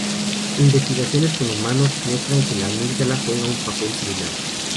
Investigaciones con humanos muestran que la amígdala juega un papel similar.